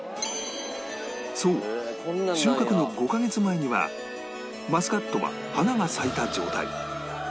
そう収穫の５カ月前にはマスカットは花が咲いた状態